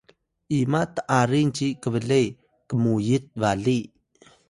ima t’aring ci kble kmuyit bali?